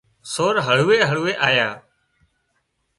سور هۯوئي هۯوئي آيا